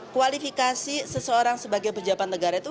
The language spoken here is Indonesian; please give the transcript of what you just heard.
kualifikasi seseorang sebagai pejabat negara itu